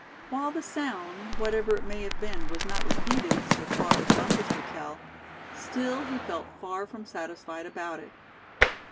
While the sound, whatever it may have been, was not repeated, so far as Bumpus could tell, still he felt far from satisfied about it.